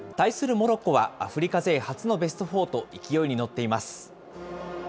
モロッコは、アフリカ勢初のベストフォーと勢いに乗っています。